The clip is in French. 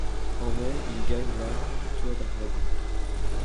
En mai, il gagne la du Tour d'Aragon.